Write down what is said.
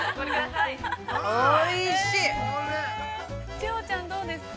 ◆千穂ちゃん、どうですか。